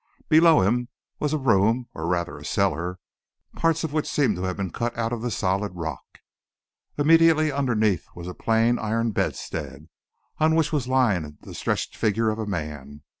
Below him was a room, or rather a cellar, parts of which seemed to have been cut out of the solid rock. Immediately underneath was a plain iron bedstead, on which was lying stretched the figure of a man.